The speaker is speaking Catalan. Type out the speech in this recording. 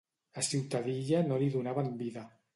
A Ciutadilla no li donaven vida.